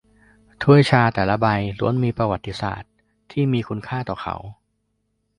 ถ้วยชาแต่ละใบล้วนมีประวัติศาสตร์ที่มีคุณค่าต่อเขา